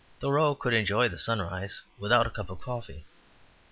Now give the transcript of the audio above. Thoreau could enjoy the sunrise without a cup of coffee.